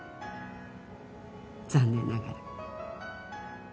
残念ながら。